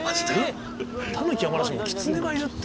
タヌキはまだしもキツネがいるって。